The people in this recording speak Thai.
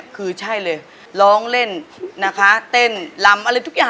คือใช่เลยร้องเล่นนะคะเต้นลำอะไรทุกอย่าง